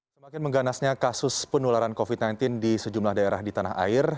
semakin mengganasnya kasus penularan covid sembilan belas di sejumlah daerah di tanah air